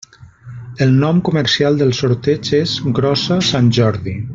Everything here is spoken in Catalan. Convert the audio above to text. El nom comercial del sorteig és “Grossa Sant Jordi”.